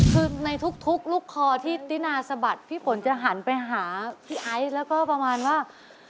คือในทุกลูกคอที่ตินาสะบัดพี่ฝนจะหันไปหาพี่ไอซ์แล้วก็ประมาณว่า